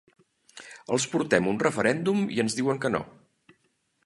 Els portem un referèndum i ens diuen que no.